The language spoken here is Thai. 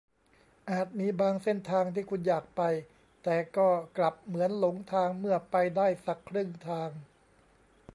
อาจมีบางเส้นทางที่คุณอยากไป แต่ก็กลับเหมือนหลงทางเมื่อไปได้สักครึ่งทาง